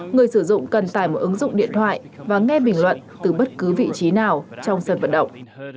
người sử dụng cần tải một ứng dụng điện thoại và nghe bình luận từ bất cứ vị trí nào trong sân vận động